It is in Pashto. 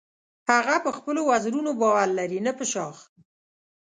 هغه په خپلو وزرونو باور لري نه په شاخ.